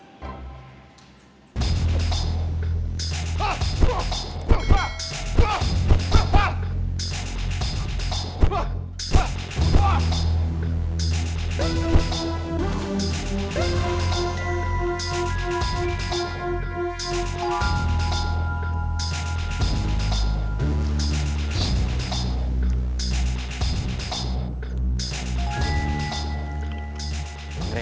wajah dari dicht dua